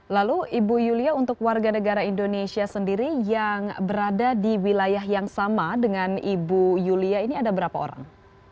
lalu ibu yulia untuk warga negara indonesia sendiri yang berada di wilayah yang sama dengan ibu yulia ini ada berapa orang